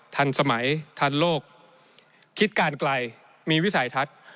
ทันสมัยทันโลกคิดการไกลมีวิสัยทัศน์